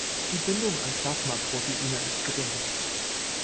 Die Bindung an Plasmaproteine ist gering.